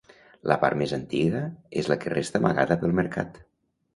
La part més antiga és la que resta amagada pel mercat.